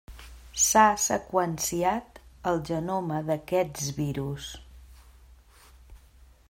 S'ha seqüenciat el genoma d'aquests virus.